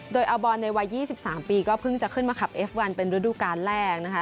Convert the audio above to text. โดยในวันยี่สิบสามปีก็เพิ่งจะขึ้นมาขับเอฟวันเป็นฤดูการแรกนะคะ